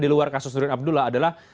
di luar kasus nurin abdullah adalah